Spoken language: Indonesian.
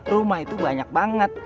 rumah itu banyak banget